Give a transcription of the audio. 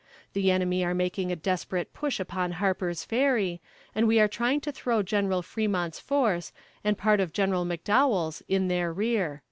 The enemy are making a desperate push upon Harper's Ferry, and we are trying to throw Gen. Fremont's force, and part of Gen. McDowell's, in their rear!"